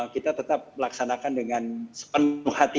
kita tetap melaksanakan dengan sepenuh hati